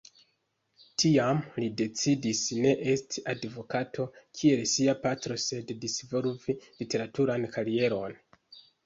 Tiam, li decidis ne esti advokato, kiel sia patro, sed disvolvi literaturan karieron.